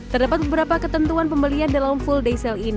terdapat beberapa ketentuan pembelian dalam full day sale ini